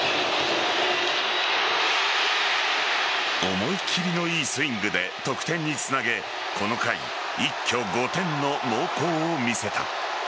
思い切りの良いスイングで得点につなげこの回一挙５点の猛攻を見せた。